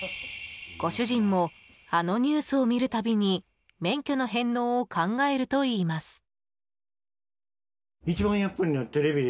ご主人もあのニュースを見る度に免許の返納を考えるといいます。